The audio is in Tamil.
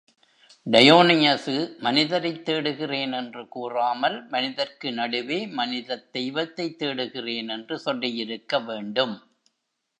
டயோனியசு மனிதரைத் தேடுகிறேன் என்று கூறாமல், மனிதர்க்கு நடுவே மனிதத் தெய்வத்தைத் தேடுகிறேன் என்று சொல்லியிருக்க வேண்டும்.